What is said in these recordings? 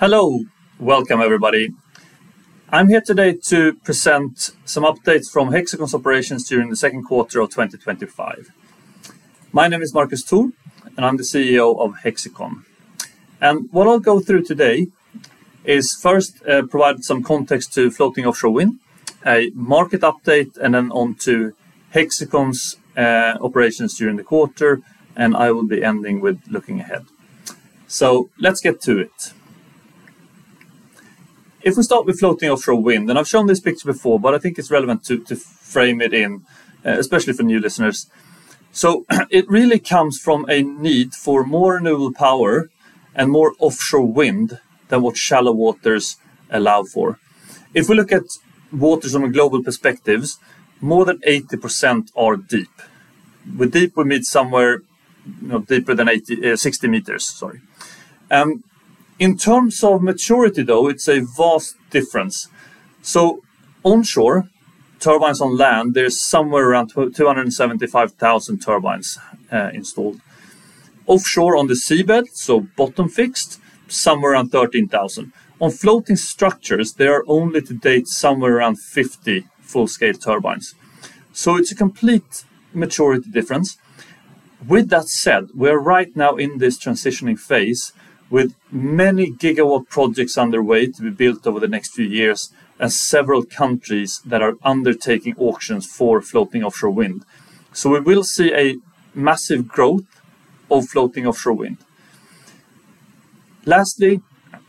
Hello, welcome everybody. I'm here today to present some updates from Hexicon's operations during the Second Quarter of 2025. My name is Marcus Thor, and I'm the CEO of Hexicon. What I'll go through today is first provide some context to floating offshore wind, a market update, and then on to Hexicon's operations during the quarter and I will be ending with looking ahead. Let's get to it. If we start with floating offshore wind, and I've shown this picture before, but I think it's relevant to frame it in, especially for new listeners. It really comes from a need for more renewable power and more offshore wind than what shallow waters allow for. If we look at waters from a global perspective, more than 80% are deep. With deep, we mean somewhere, you know, deeper than 60 m, sorry. In terms of maturity, though, it's a vast difference. Onshore, turbines on land, there's somewhere around 275,000 turbines installed. Offshore on the seabed, so bottom fixed, somewhere around 13,000. On floating structures, there are only to date somewhere around 50 full-scale turbines. It's a complete maturity difference. With that said, we are right now in this transitioning phase with many gigawatt projects underway to be built over the next few years and several countries that are undertaking auctions for floating offshore wind. We will see a massive growth of floating offshore wind. Lastly,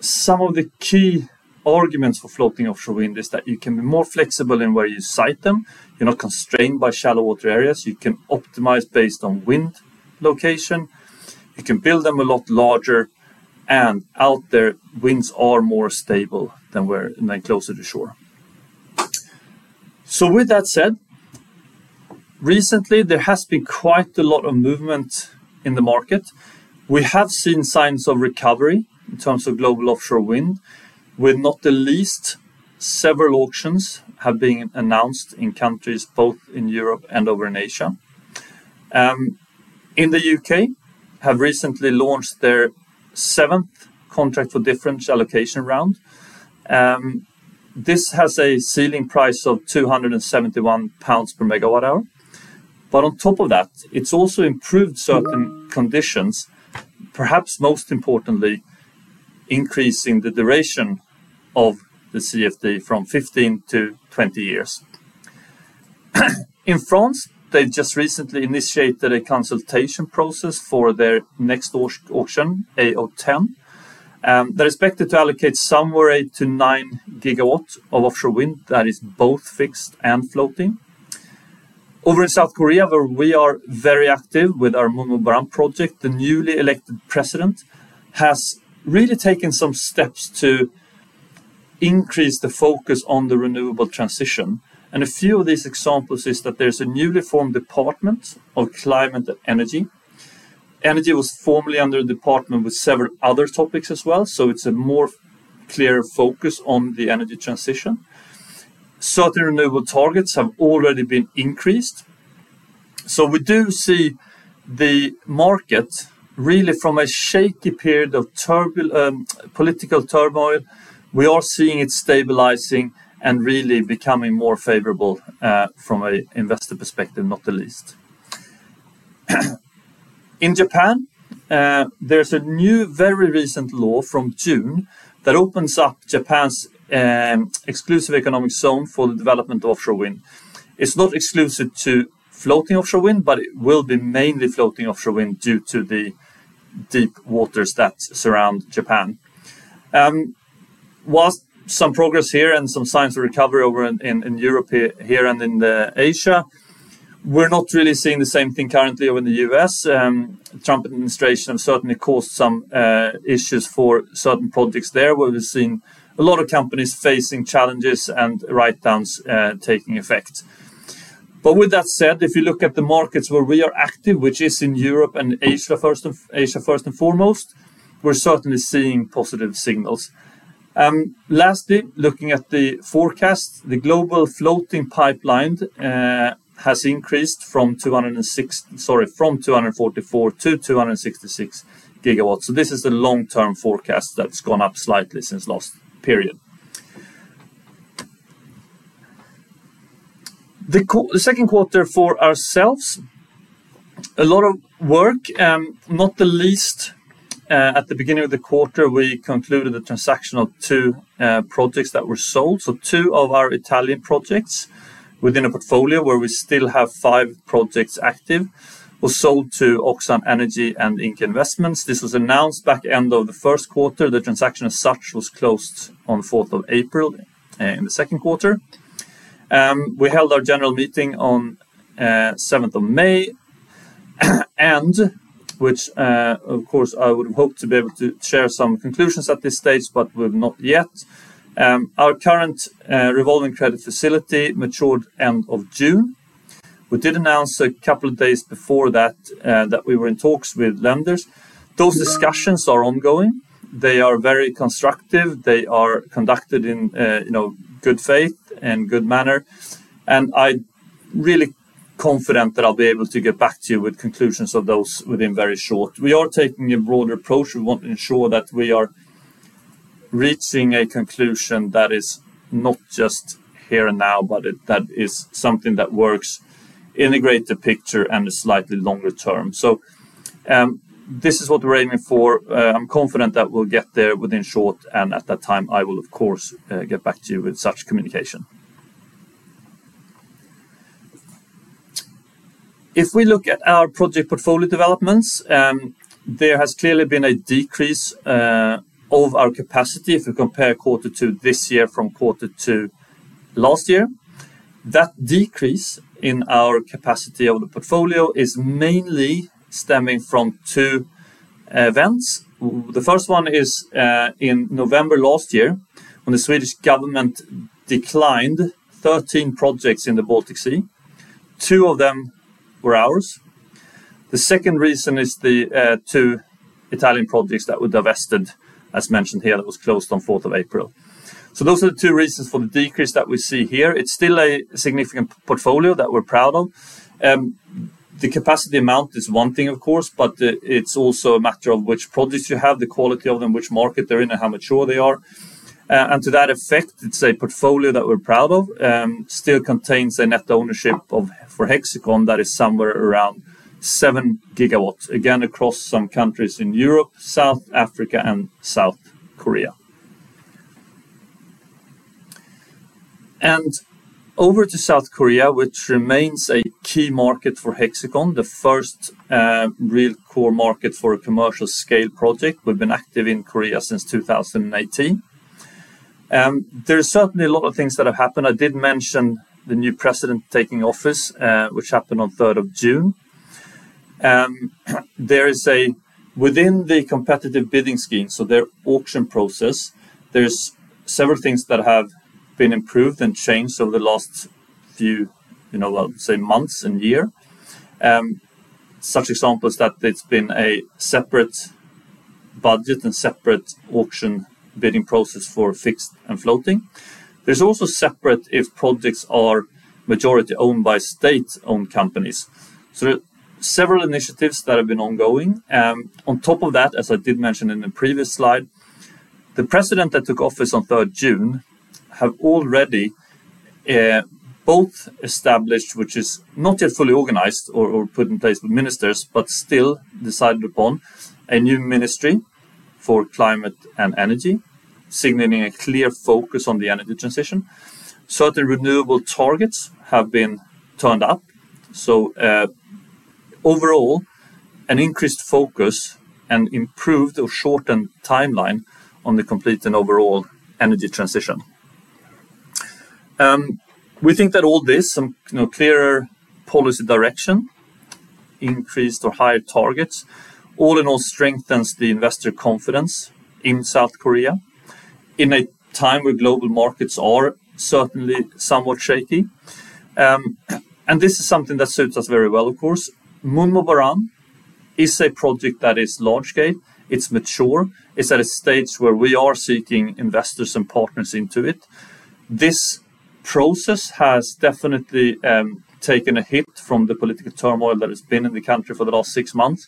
some of the key arguments for floating offshore wind is that you can be more flexible in where you site them. You're not constrained by shallow water areas. You can optimize based on wind location. You can build them a lot larger, and out there, winds are more stable than when they're closer to shore. With that said, recently, there has been quite a lot of movement in the market. We have seen signs of recovery in terms of global offshore wind, with not the least several auctions being announced in countries both in Europe and over in Asia. In the U.K., they have recently launched their seventh contract for difference allocation round. This has a ceiling price of £271 MWh. On top of that, it's also improved certain conditions, perhaps most importantly, increasing the duration of the CFD from 15-20 years. In France, they just recently initiated a consultation process for their next auction, AO10. They're expected to allocate somewhere 8 GW-9 GW of offshore wind that is both fixed and floating. Over in South Korea, where we are very active with our MunmuBaram project, the newly elected president has really taken some steps to increase the focus on the renewable transition. A few of these examples are that there's a newly formed Department of Climate and Energy. Energy was formerly under a department with several other topics as well, so it's a more clear focus on the energy transition. Certain renewable targets have already been increased. We do see the market really from a shaky period of political turmoil. We are seeing it stabilizing and really becoming more favorable from an investor perspective, not the least. In Japan, there's a new, very recent law from June that opens up Japan's exclusive economic zone for the development of offshore wind. It's not exclusive to floating offshore wind, but it will be mainly floating offshore wind due to the deep waters that surround Japan. While some progress here and some signs of recovery over in Europe and in Asia, we're not really seeing the same thing currently over in the U.S. The Trump administration has certainly caused some issues for certain projects there, where we've seen a lot of companies facing challenges and write-downs taking effect. With that said, if you look at the markets where we are active, which is in Europe and Asia, first and foremost, we're certainly seeing positive signals. Lastly, looking at the forecast, the global floating pipeline has increased from 244 GW-266 GW. This is a long-term forecast that's gone up slightly since last period. The Second Quarter for ourselves, a lot of work, not the least. At the beginning of the quarter, we concluded the transaction of two projects that were sold. Two of our Italian projects within a portfolio where we still have five projects active were sold to Oxan Energy and Ingka Investments. This was announced back at the end of the First Quarter. The transaction as such was closed on the 4th of April in the Second Quarter. We held our general meeting on the 7th of May, and, of course, I would have hoped to be able to share some conclusions at this stage, but we're not yet. Our current revolving credit facility matured end of June. We did announce a couple of days before that that we were in talks with lenders. Those discussions are ongoing. They are very constructive. They are conducted in good faith and good manner. I'm really confident that I'll be able to get back to you with conclusions of those within very short. We are taking a broader approach. We want to ensure that we are reaching a conclusion that is not just here and now, but that is something that works in a greater picture and is slightly longer term. This is what we're aiming for. I'm confident that we'll get there within short, and at that time, I will, of course, get back to you with such communication. If we look at our project portfolio developments, there has clearly been a decrease of our capacity if we compare Q2 this year from Q2 last year. That decrease in our capacity of the portfolio is mainly stemming from two events. The first one is in November last year when the Swedish government declined 13 projects in the Baltic Sea. Two of them were ours. The second reason is the two Italian projects that we divested, as mentioned here, that was closed on the 4th of April. Those are the two reasons for the decrease that we see here. It's still a significant portfolio that we're proud of. The capacity amount is one thing, of course, but it's also a matter of which projects you have, the quality of them, which market they're in, and how mature they are. To that effect, it's a portfolio that we're proud of, still contains a net ownership for Hexicon that is somewhere around 7 GW, again across some countries in Europe, South Africa, and South Korea. Over to South Korea, which remains a key market for Hexicon, the first real core market for a commercial scale project, we've been active in Korea since 2018. There are certainly a lot of things that have happened. I did mention the new president taking office, which happened on the 3rd of June. Within the competitive bidding scheme, so their auction process, there's several things that have been improved and changed over the last few, I would say, months and years. Such examples that there's been a separate budget and separate auction bidding process for fixed and floating. There's also separate if projects are majority owned by state-owned companies. There are several initiatives that have been ongoing. On top of that, as I did mention in the previous slide, the president that took office on 3rd of June has already both established, which is not yet fully organized or put in place with ministers, but still decided upon a new Ministry for Climate and Energy, signaling a clear focus on the energy transition. Certain renewable targets have been turned up. Overall, an increased focus and improved or shortened timeline on the complete and overall energy transition. We think that all this, some clearer policy direction, increased or higher targets, all in all strengthens the investor confidence in South Korea in a time where global markets are certainly somewhat shaky. This is something that suits us very well, of course. MunmuBaram is a project that is large scale. It's mature. It's at a stage where we are seeking investors and partners into it. This process has definitely taken a hit from the political turmoil that has been in the country for the last six months.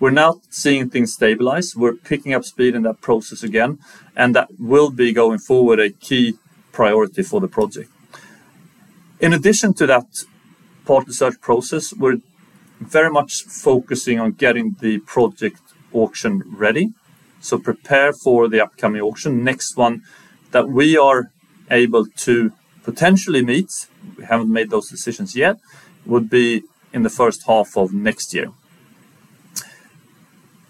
We're now seeing things stabilize. We're picking up speed in that process again, and that will be going forward a key priority for the project. In addition to that partnership process, we're very much focusing on getting the project auction ready to prepare for the upcoming auction. The next one that we are able to potentially meet, we haven't made those decisions yet, would be in the first half of next year.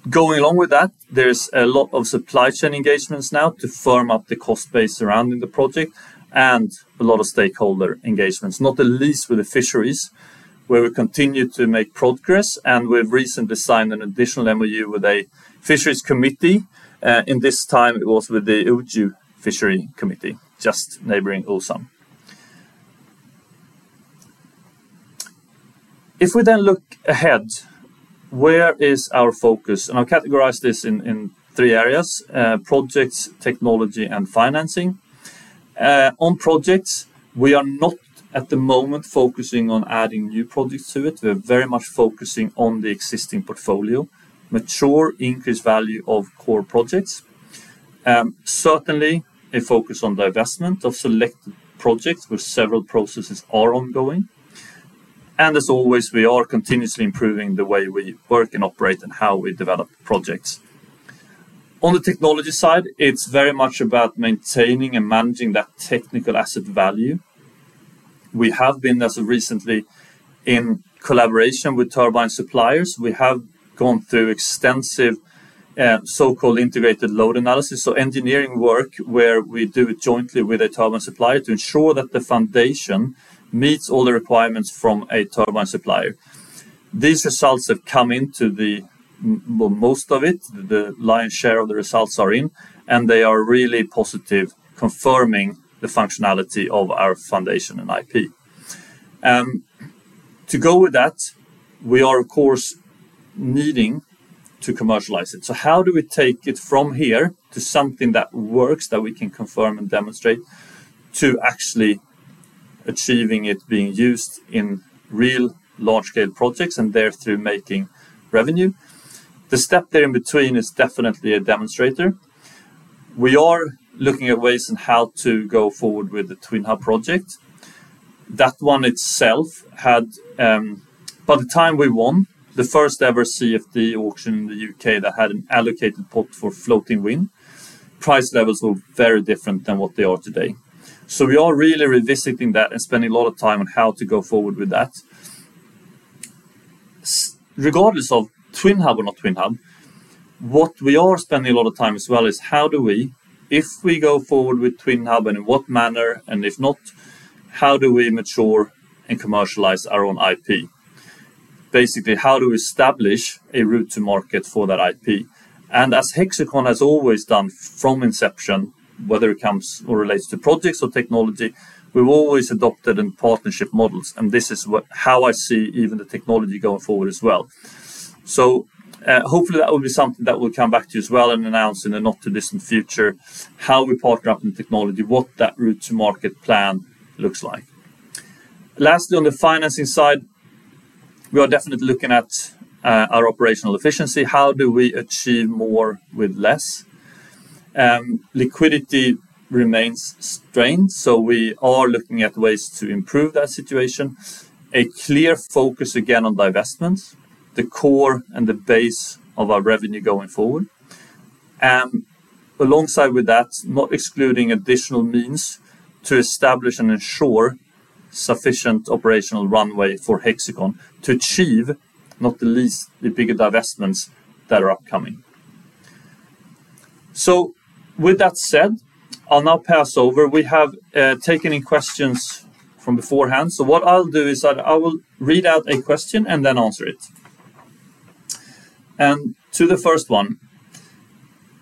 Going along with that, there's a lot of supply chain engagements now to firm up the cost base surrounding the project and a lot of stakeholder engagements, not at least with the fisheries, where we continue to make progress. We've recently signed an additional MOU with a fisheries committee, and this time it was with the Uju Fishery Committee, just neighboring Ulsan. If we then look ahead, where is our focus? I'll categorize this in three areas: projects, technology, and financing. On projects, we are not at the moment focusing on adding new projects to it. We're very much focusing on the existing portfolio, mature increased value of core projects. Certainly, a focus on divestment of selected projects where several processes are ongoing. As always, we are continuously improving the way we work and operate and how we develop projects. On the technology side, it's very much about maintaining and managing that technical asset value. We have been, as of recently, in collaboration with turbine suppliers. We have gone through extensive so-called integrated load analysis, so engineering work where we do it jointly with a turbine supplier to ensure that the foundation meets all the requirements from a turbine supplier. These results have come in, most of it, the lion's share of the results are in, and they are really positive, confirming the functionality of our foundation and IP. To go with that, we are, of course, needing to commercialize it. How do we take it from here to something that works, that we can confirm and demonstrate, to actually achieving it being used in real large-scale projects and therefore making revenue? The step there in between is definitely a demonstrator. We are looking at ways on how to go forward with the TwinHub project. That one itself had, by the time we won, the first ever CFD auction in the U.K. that had an allocated pot for floating wind, price levels were very different than what they are today. We are really revisiting that and spending a lot of time on how to go forward with that. Regardless of TwinHub or not TwinHub, what we are spending a lot of time as well is how do we, if we go forward with TwinHub, and in what manner, and if not, how do we mature and commercialize our own IP? Basically, how do we establish a route to market for that IP? As Hexicon has always done from inception, whether it comes or relates to projects or technology, we've always adopted partnership models, and this is how I see even the technology going forward as well. Hopefully, that will be something that we'll come back to as well and announce in the not-too-distant future, how we partner up in technology, what that route to market plan looks like. Lastly, on the financing side, we are definitely looking at our operational efficiency. How do we achieve more with less? Liquidity remains strained, so we are looking at ways to improve that situation. A clear focus again on divestments, the core and the base of our revenue going forward. Alongside with that, not excluding additional means to establish and ensure sufficient operational runway for Hexicon to achieve, not the least, the bigger divestments that are upcoming. With that said, I'll now pass over. We have taken in questions from beforehand. What I'll do is I will read out a question and then answer it. To the first one,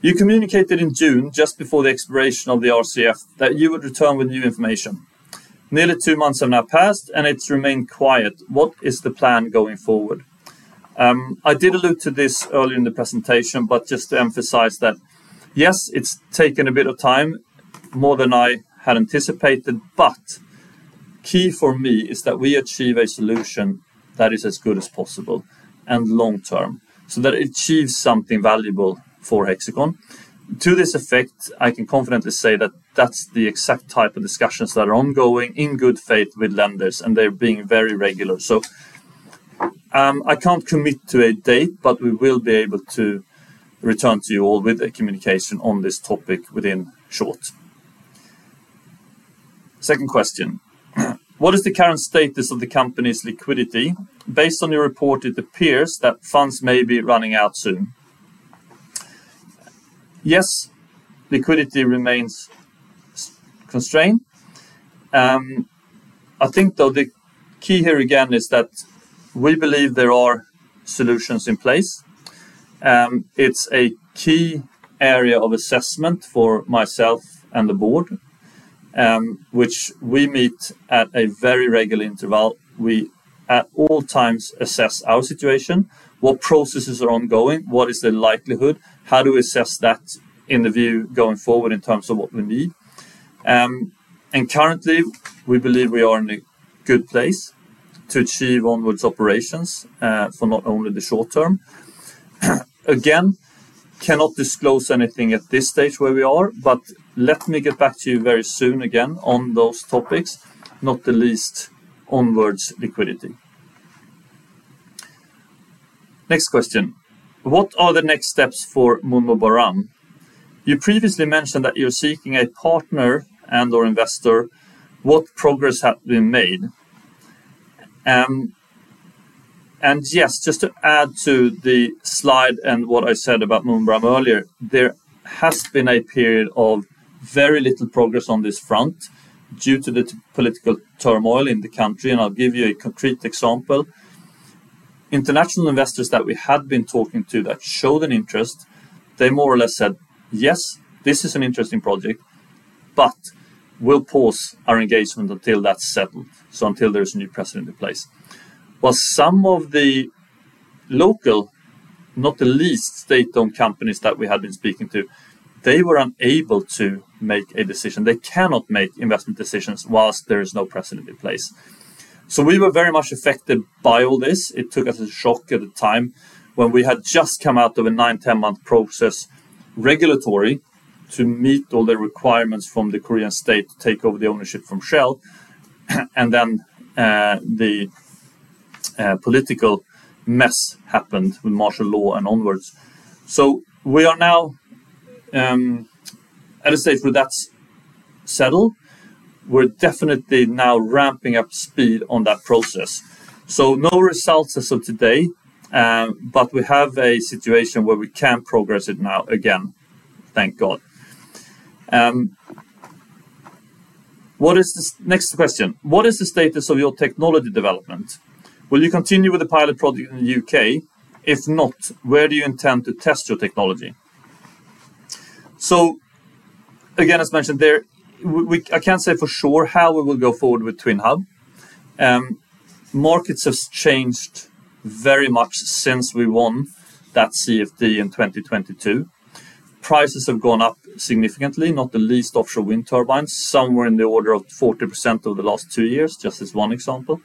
you communicated in June, just before the expiration of the RCF, that you would return with new information. Nearly two months have now passed, and it's remained quiet. What is the plan going forward? I did allude to this earlier in the presentation, but just to emphasize that, yes, it's taken a bit of time, more than I had anticipated, but the key for me is that we achieve a solution that is as good as possible and long-term, so that it achieves something valuable for Hexicon. To this effect, I can confidently say that that's the exact type of discussions that are ongoing in good faith with lenders, and they're being very regular. I can't commit to a date, but we will be able to return to you all with a communication on this topic within short. Second question. What is the current status of the company's liquidity? Based on your report, it appears that funds may be running out soon. Yes, liquidity remains constrained. I think, though, the key here again is that we believe there are solutions in place. It's a key area of assessment for myself and the board, which we meet at a very regular interval. We, at all times, assess our situation, what processes are ongoing, what is the likelihood, how do we assess that in the view going forward in terms of what we need. Currently, we believe we are in a good place to achieve onwards operations for not only the short term. Again, cannot disclose anything at this stage where we are, but let me get back to you very soon again on those topics, not the least onwards liquidity. Next question. What are the next steps for MunmuBaram? You previously mentioned that you're seeking a partner and/or investor. What progress have been made? Just to add to the slide and what I said about MunmuBaram earlier, there has been a period of very little progress on this front due to the political turmoil in the country. I'll give you a concrete example. International investors that we had been talking to that showed an interest, they more or less said, "Yes, this is an interesting project, but we'll pause our engagement until that's settled, so until there's a new president in place." Some of the local, not the least, state-owned companies that we had been speaking to, they were unable to make a decision. They cannot make investment decisions whilst there is no president in place. We were very much affected by all this. It took us a shock at the time when we had just come out of a nine, ten-month process regulatory to meet all the requirements from the Korean state to take over the ownership from Shell, and then the political mess happened with martial law and onwards. We are now at a stage where that's settled. We're definitely now ramping up speed on that process. No results as of today, but we have a situation where we can progress it now again, thank God. What is this next question? What is the status of your technology development? Will you continue with the pilot project in the U.K.? If not, where do you intend to test your technology? As mentioned there, I can't say for sure how we will go forward with TwinHub. Markets have changed very much since we won that CFD in 2022. Prices have gone up significantly, not the least offshore wind turbines, somewhere in the order of 40% over the last two years, just as one example.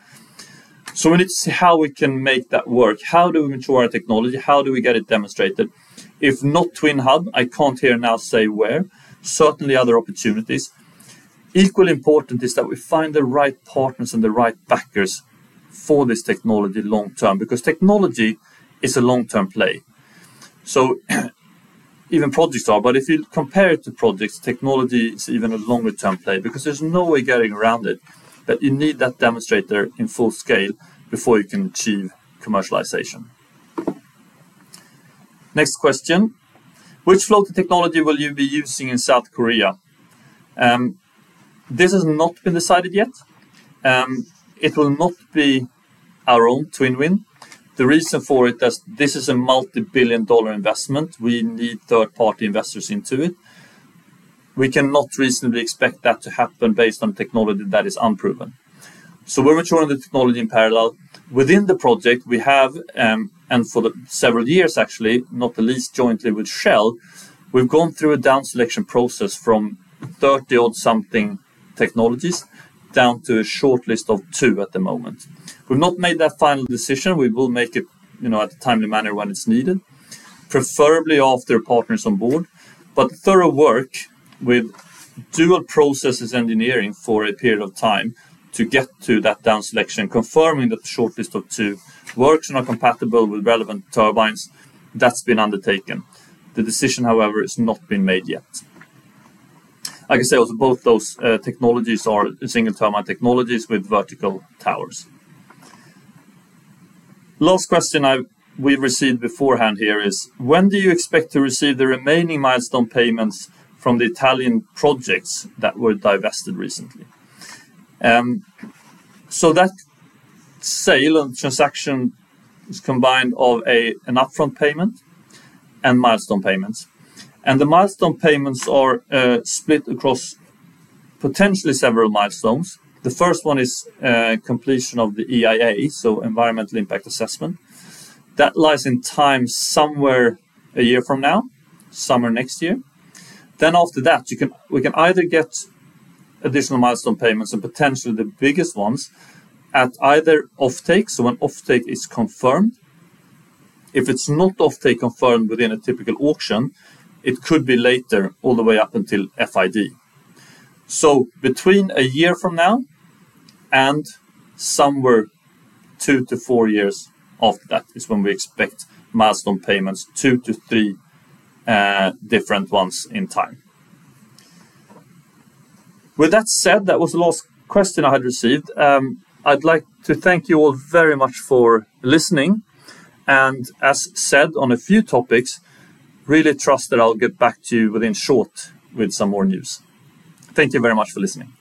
We need to see how we can make that work. How do we mature our technology? How do we get it demonstrated? If not TwinHub, I can't here now say where. Certainly, other opportunities. Equally important is that we find the right partners and the right backers for this technology long-term because technology is a long-term play. Even projects are, but if you compare it to projects, technology is even a longer-term play because there's no way getting around it. You need that demonstrator in full scale before you can achieve commercialization. Next question. Which floating technology will you be using in South Korea? This has not been decided yet. It will not be our own TwinWind. The reason for it is that this is a multi-billion dollar investment. We need third-party investors into it. We cannot reasonably expect that to happen based on technology that is unproven. We are maturing the technology in parallel. Within the project, we have, and for several years, actually, not the least, jointly with Shell, we've gone through a down selection process from 30-odd-something technologies down to a short list of two at the moment. We've not made that final decision. We will make it at a timely manner when it's needed, preferably after a partner is on board. The thorough work with dual processes engineering for a period of time to get to that down selection, confirming that the short list of two works and are compatible with relevant turbines, that's been undertaken. The decision, however, has not been made yet. I can say also both those technologies are single-term technologies with vertical towers. Last question we've received beforehand here is, when do you expect to receive the remaining milestone payments from the Italian projects that were divested recently? That sale and transaction is combined of an upfront payment and milestone payments. The milestone payments are split across potentially several milestones. The first one is completion of the EIA, Environmental Impact Assessment, that lies in time somewhere a year from now, summer next year. After that, we can either get additional milestone payments and potentially the biggest ones at either offtake. When offtake is confirmed, if it's not offtake confirmed within a typical auction, it could be later all the way up until FID. Between a year from now and somewhere two to four years after that is when we expect milestone payments, two to three different ones in time. With that said, that was the last question I had received. I'd like to thank you all very much for listening. As said on a few topics, really trust that I'll get back to you within short with some more news. Thank you very much for listening.